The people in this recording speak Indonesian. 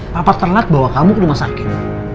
papat ternak bawa kamu ke rumah sakit